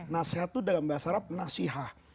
nasihat itu dalam bahasa arab nasihat